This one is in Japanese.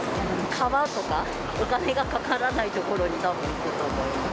川とか、お金がかからない所にたぶん行くと思います。